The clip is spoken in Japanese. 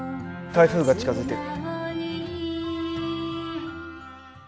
台風が近づいてる。